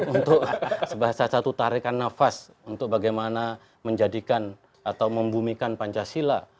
untuk sebahasa satu tarikan nafas untuk bagaimana menjadikan atau membumikan pancasila